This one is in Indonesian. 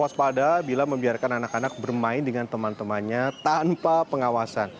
waspada bila membiarkan anak anak bermain dengan teman temannya tanpa pengawasan